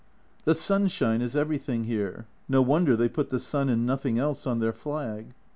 The sunshine is everything here no wonder they put the sun and nothing else on their flag.